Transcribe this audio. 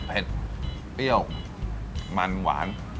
เผ็ดเปรี้ยวมันหวาน